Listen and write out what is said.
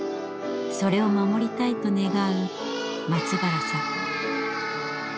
それを守りたいと願う松原さん。